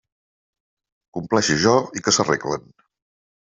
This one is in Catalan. Compleixi jo, i que s'arreglen.